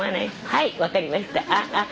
はい分かりました。